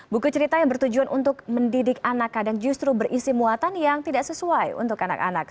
buku cerita yang bertujuan untuk mendidik anak kadang justru berisi muatan yang tidak sesuai untuk anak anak